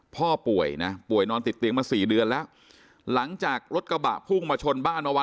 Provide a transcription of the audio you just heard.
พ่อป่วยนะป่วยนอนติดเตียงมาสี่เดือนแล้วหลังจากรถกระบะพุ่งมาชนบ้านเมื่อวาน